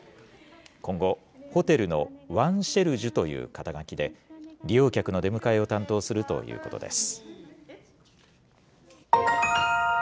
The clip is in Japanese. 今後、ホテルのワンシェルジュという肩書で、利用客の出迎えを担当するということです。